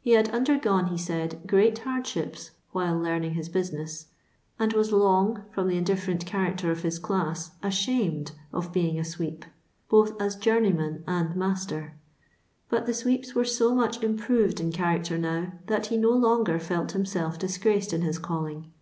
He had undergone, he said, great hardships while learning his business, and was long, from the in different character of his class, ashamed of being a sweep, both as journeyman and master ; but the sweeps were so much improved in character now, that he no longer felt himself disgraced in hit calling.